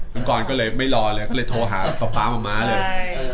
จงก่อนก็เลยไม่รอและก็เลยโทรหาประพาส์มามาเลย